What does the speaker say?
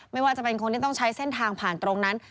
ไม่ว่าจะเป็นคนที่ต้องใช้เส้นทางผ่านตรงนั้น